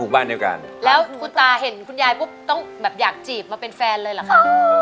บ้านเดียวกันแล้วคุณตาเห็นคุณยายปุ๊บต้องแบบอยากจีบมาเป็นแฟนเลยเหรอคะ